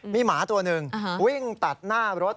มีหมาตัวหนึ่งวิ่งตัดหน้ารถ